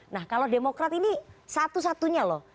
nah kalau demokrat ini satu satunya loh